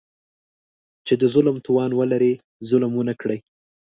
چې د ظلم توان ولري او ظلم ونه کړي.